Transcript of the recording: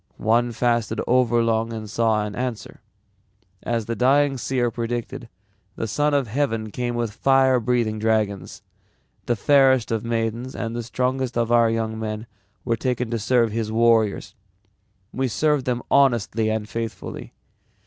One fasted overlong and saw an answer. As the dying seer predicted the Son of Heaven came with fire breathing dragons. The fairest of maidens and the strongest of our young men were taken to serve his warriors. We served them honestly and faithfully.